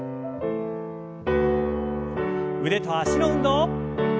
腕と脚の運動。